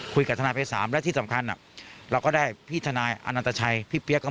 คุยกับทนายภัยสามและที่สำคัญเราก็ได้พี่ทนายอนันตชัยพี่เปี๊ยก